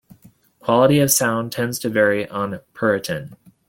Quality of sound tends to vary on Puritan.